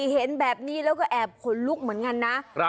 เห็นแบบนี้แล้วก็แอบขนลุกเหมือนกันนะ